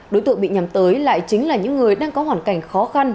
đối tượng bị nhắm tới lại chính là những người đang có hoàn cảnh khó khăn